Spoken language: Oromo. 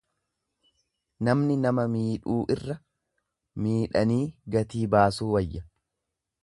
Namni nama miidhuu irra miidhanii gatii baasuu wayya.